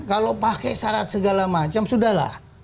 kalau pakai syarat segala macam sudah lah